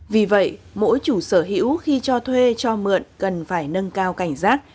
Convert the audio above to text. vì vậy mỗi chủ sở hữu khi cho thuê cho mượn cần phải nâng cao cảnh giác